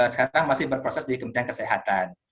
sekarang masih berproses di kementerian kesehatan